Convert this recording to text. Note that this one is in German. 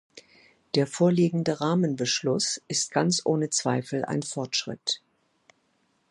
Der vorliegende Rahmenbeschluss ist ganz ohne Zweifel ein Fortschritt.